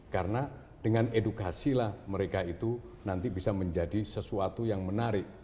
karena dengan edukasi lah mereka itu nanti bisa menjadi sesuatu yang menarik